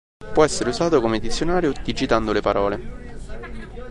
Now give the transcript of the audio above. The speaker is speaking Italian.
Può essere usato come dizionario digitando le parole.